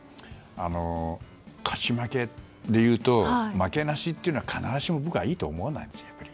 勝ち負けでいうと負けなしというのは僕は必ずしもいいとは思わないんですよ。